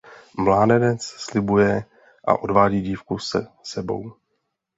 Mládenec slibuje a odvádí dívku s sebou.